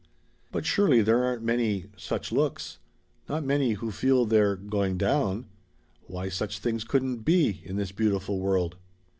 "But surely there aren't many such looks. Not many who feel they're going down. Why such things couldn't be in this beautiful world."